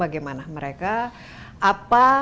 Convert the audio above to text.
bagaimana mereka apa